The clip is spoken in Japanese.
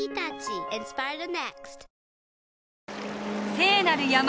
聖なる山